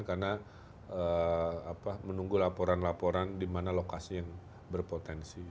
karena menunggu laporan laporan di mana lokasi yang berpotensi